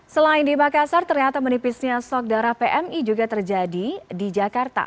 selain di makassar ternyata menipisnya stok darah pmi juga terjadi di jakarta